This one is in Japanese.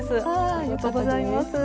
ありがとうございます。